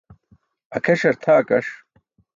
Akʰeṣar tʰa akaṣ.